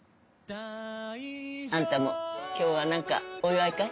あんたも今日はなんかお祝いかい？